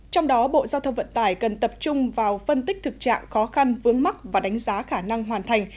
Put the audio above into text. trong đó bộ giao thông vận tải cần tập trung vào phân tích thực trạng khó khăn vướng mắt và đánh giá khả năng hoàn thành